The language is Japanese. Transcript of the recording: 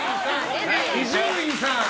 伊集院さん！